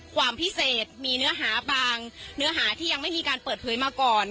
ความพิเศษมีเนื้อหาบางเนื้อหาที่ยังไม่มีการเปิดเผยมาก่อน